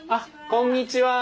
こんにちは。